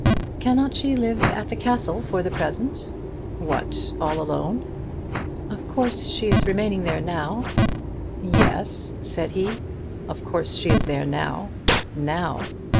"Cannot she live at the Castle for the present?" "What; all alone?" "Of course she is remaining there now." "Yes," said he, "of course she is there now. Now!